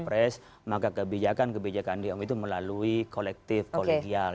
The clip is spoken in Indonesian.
sebenarnya beliau sibuk dengan wapres maka kebijakan kebijakan di mui itu melalui kolektif kolegial